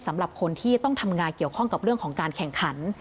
สำหรับคนที่ต้องทำงานเกี่ยวข้องกับเรื่องของการแข่งขัน